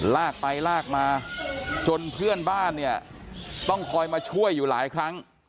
ลากไปลากมาจนเพื่อนบ้านเนี่ยต้องคอยมาช่วยอยู่หลายครั้ง